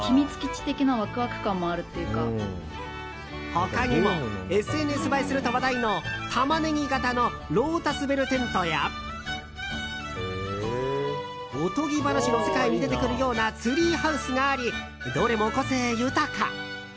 他にもＳＮＳ映えすると話題のタマネギ形のロータスベルテントやおとぎ話の世界に出てくるようなツリーハウスがありどれも個性豊か。